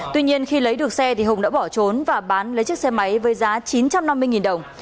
tuy nhiên khi lấy được xe hùng đã bỏ trốn và bán lấy chiếc xe máy với giá chín trăm năm mươi đồng